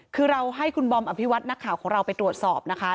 คือเราให้คุณบอมอภิวัตินักข่าวของเราไปตรวจสอบนะคะ